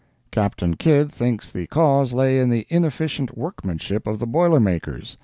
Captain Kidd thinks the cause lay in the inefficient workmanship of the boilermakers.